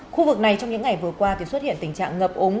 khu vực này trong những ngày vừa qua thì xuất hiện tình trạng ngập ống